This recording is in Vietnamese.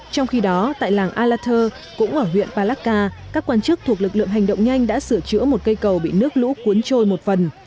trong khi đó tại làng alathur cũng ở huyện palacca các quan chức thuộc lực lượng hành động nhanh đã sửa chữa một cây cầu bị nước lũ cuốn trôi một phần